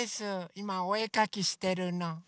いまおえかきしてるの。